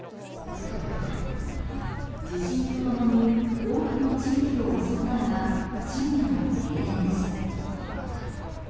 地震と共に多くの地域を襲ったのが深夜の停電でした。